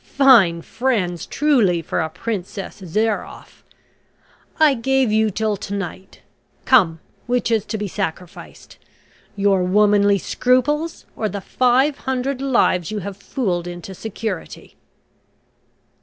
"Fine friends truly for a Princess Zairoff. I gave you till to night come, which is to be sacrificed your womanly scruples, or the five hundred lives you have fooled into security?"